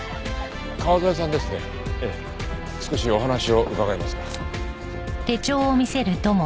少しお話を伺えますか？